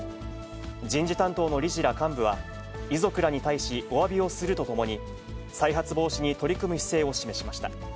人事担当の理事ら幹部は、遺族らに対しおわびをするとともに、再発防止に取り組む姿勢を示しました。